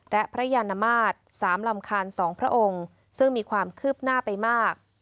และพระยานมาตร๓ลำคาญ๒พระองค์ซึ่งมีความคืบหน้าไปมาก